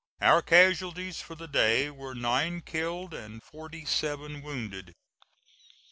Our casualties for the day were nine killed and forty seven wounded.